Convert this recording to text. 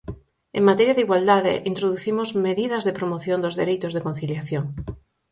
En materia de igualdade, introducimos medidas de promoción dos dereitos de conciliación.